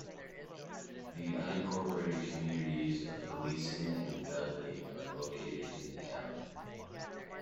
The unincorporated communities of Gleason and Dudley are located in the town.